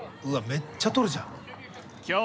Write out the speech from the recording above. めっちゃ撮るじゃん。